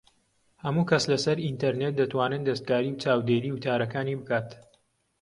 ھەموو کەس لە سەر ئینتەرنێت دەتوانێت دەستکاری و چاودێریی وتارەکانی بکات